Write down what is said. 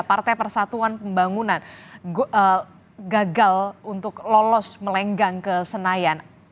partai persatuan pembangunan gagal untuk lolos melenggang ke senayan